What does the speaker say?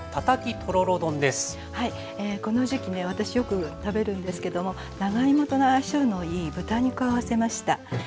はいこの時期ね私よく食べるんですけども長芋との相性のいい豚肉を合わせました。